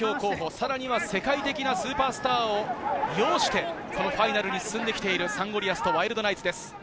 さらには世界的なスーパースターを擁してファイナルに進んできているサンゴリアスとワイルドナイツです。